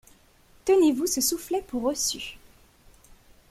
Tenez-vous ce soufflet pour reçu.